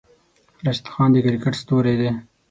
راشد خان د کرکیټ ستوری دی.